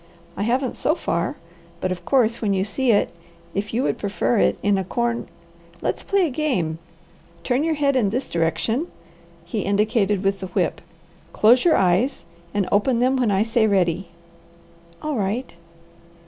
"I haven't so far, but of course, when you see it, if you would prefer it in a corn Let's play a game! Turn your head in this direction," he indicated with the whip, "close your eyes, and open them when I say ready." "All right!"